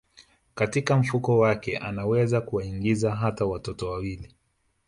Katika mfuko wake anaweza kuwaingiza hata watoto wawili